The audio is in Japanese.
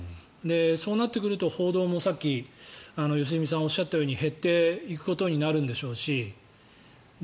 そうなってくると報道もさっき良純さんがおっしゃったように減っていくことになるんでしょうし。